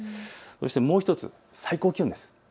もう１つ、最高気温です。